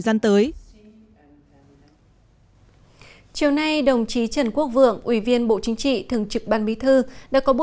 gian tới chiều nay đồng chí trần quốc vượng ủy viên bộ chính trị thường trực ban bí thư đã có